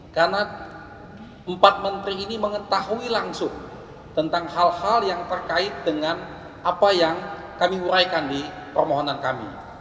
karena empat menteri ini mengetahui langsung tentang hal hal yang terkait dengan apa yang kami huraikan di permohonan kami